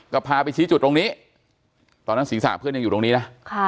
ก็พาไปชี้จุดตรงนี้ตอนนั้นศีรษะเพื่อนยังอยู่ตรงนี้นะ